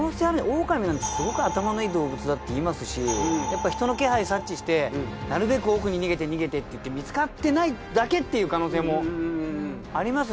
オオカミなんてすごく頭のいい動物だっていいますしやっぱ人の気配察知してなるべく奥に逃げて逃げてっていって見つかってないだけっていう可能性もありますしね。